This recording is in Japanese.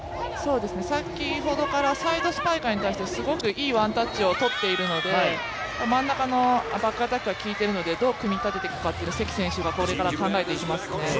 先ほどからサイドスパイカーに対してすごくいいワンタッチを取っているので真ん中のアタックアタッカーが効いているので、どう組み立てていくか、関選手がこれから考えていきますね。